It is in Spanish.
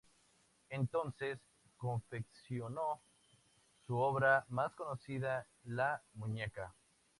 Entonces confeccionó su obra más conocida: la "Muñeca".